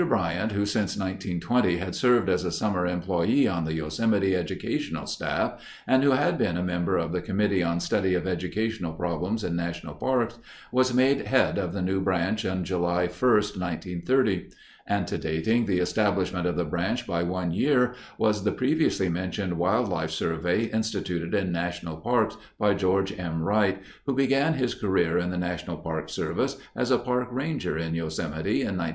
Bryant, who since 1920 had served as a summer employee on the Yosemite educational staff and who had been a member of the Committee on Study of Educational Problems in National Parks, was made head of the new branch on July 1, 1930. Antedating the establishment of the branch by one year was the previously mentioned wildlife survey instituted in national parks by George M. Wright, who began his career in the National Park Service as a park ranger in Yosemite in 1927.